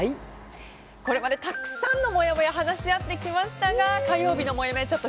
これまでたくさんのもやもやを話し合ってきましたが火曜日のもやもやチャット